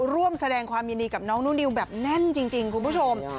ร่วมแสดงความยินดีกับน้องนุ่นนิวแบบแน่นจริงคุณผู้ชม